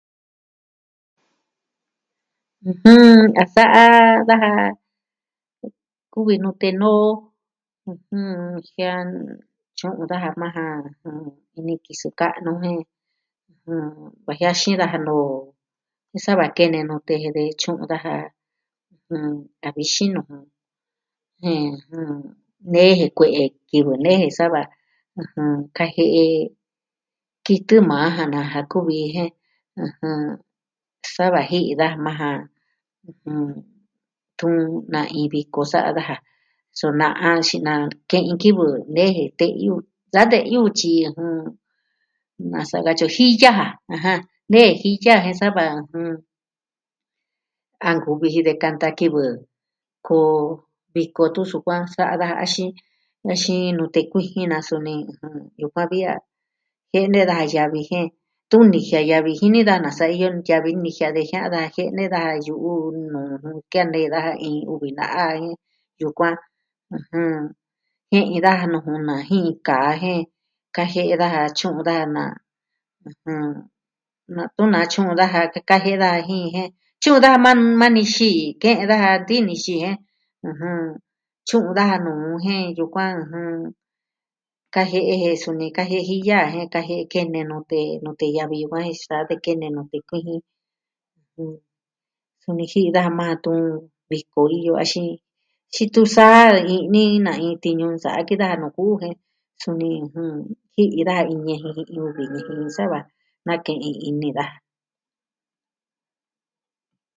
ɨjɨn a sa'a daJa kuvi nute noo, tyu'un daja majan ini kisɨ ka'nu jen da jiaxi daja noo, sava kene nute tyu'un daja, a vixin nuu ju. Jen... nee je kue'e kivɨ nee je sava ɨjɨɨn, kajie'e... kitɨ maa ja naa ja kuvi jen, sava ji'i daja maa ja tu na iin viko, sa'a daja. Su na'a xinaa ke'in kivɨ nee teyu. Da tee yutyi, nasa katyi o, jiya ja aja, nee jiya je sava, a nkuvi ji de kanta kivɨ, koo viko tun sukuan sa'a daja axin nute kuijin na. suni yukuan vi a jene da yavi jen tuni jiaa yavi jini da a nasa iyo ntiavi nijia de jiaa da jene da yu'u nuu ju kene daja iin uvi na'a yukuan. ɨjɨn... Ke'i daja nuu ju na jika jen, kajie'e daja tyu'un daja na, ɨjɨn... natɨɨn na tyu'un daja kaka je da jin jen. Tyu'un daa maa maa nixi, ke'en daja tini xii jen. tyu'un daja nu jen yukuan. kajike'e je jen suni kaji jiya jen kajie'e kene nute , nute yavi yukuan jenm xatu kene nute kuijin. ]Suni ji'i daa maa viko iyo axin tyi tu saa ini na iin tiñu sa'a ki da nuu kuu ji. Suni, ji'i daja iin ñeji, iin uvi nijin nuu saa va nake'en ini da.